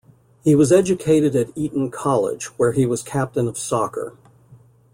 He was educated at Eton College, where he was captain of soccer.